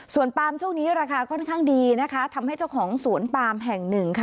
ส่วนปามช่วงนี้ราคาค่อนข้างดีนะคะทำให้เจ้าของสวนปามแห่งหนึ่งค่ะ